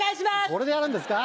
これでやるんですか？